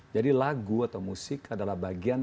jadi lagu atau musik adalah bagian